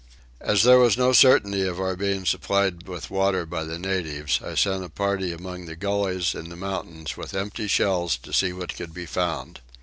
As there was no certainty of our being supplied with water by the natives I sent a party among the gullies in the mountains with empty shells to see what could be found.